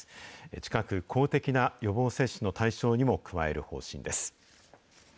近く、公的な予防接種の対象にも加える方針です。